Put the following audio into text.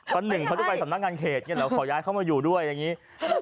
เพราะหนึ่งเขาจะไปสำนักงานเขตอย่างนี้เหรอขอย้ายเข้ามาอยู่ด้วยอย่างนี้